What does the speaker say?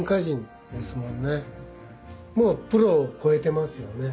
もうプロを超えてますよね。